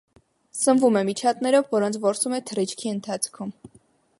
Սնվում է միջատներով, որոնց որսում է թռիչքի ընթացքում։